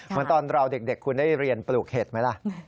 เหมือนตอนเราเด็กคุณได้เรียนปลูกเห็ดไหมล่ะ